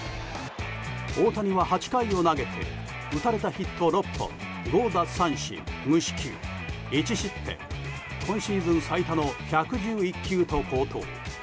大谷は、８回を投げて打たれたヒット６本５奪三振、無四球、１失点今シーズン最多の１１１球と好投。